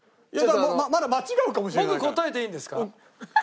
まだ間違うかもしれないから。